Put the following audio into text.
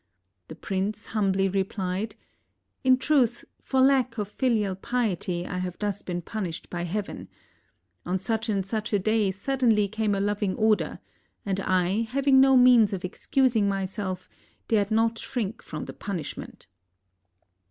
The prince humbly repHed: ''In truth, for lack of filial piety I have thus been punished by Heaven. On such and such a day suddenly came a lo\ ing order, and I, ha\ ing no means of excusing myself, dared not shrink from the punishment."